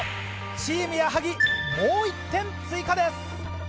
チーム矢作もう１点追加です。